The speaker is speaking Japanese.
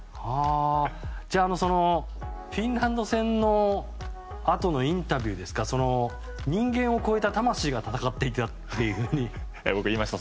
じゃあそのフィンランド戦のあとのインタビューですか人間を超えた魂が戦っていたっていうふうに。え、僕言いました？